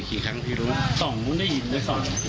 ไม่เคย